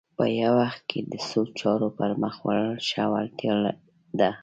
په یوه وخت کې د څو چارو پر مخ وړل ښه وړتیا ده